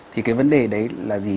thì cái vấn đề đấy là gì